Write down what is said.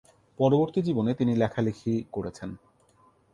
পরবর্তী জীবনে তিনি লেখালেখি করেছেন।